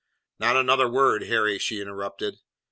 "Not another word, Harry," she interrupted.